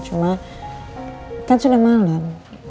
cuma kan sudah malam